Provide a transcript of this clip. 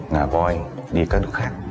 ngà voi đi các nước khác